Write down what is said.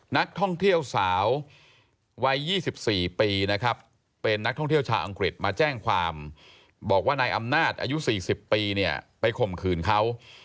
นักท่องเที่ยวสาววัย๒๔ปีนะครับเป็นนักท่องเที่ยวชาวอังกฤษมาแจ้งความบอกว่านายอำนาจอายุ๔๐ปีเนี่ยไปข่มขืนเขา